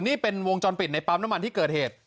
นี่เป็นวงจรปิดในปั๊มน้ำมันที่เกิดเหตุ